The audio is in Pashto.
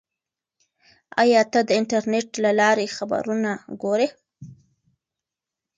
آیا ته د انټرنیټ له لارې خبرونه ګورې؟